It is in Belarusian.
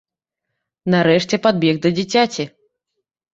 Нарэшце падбег да дзіцяці.